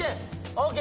ＯＫ。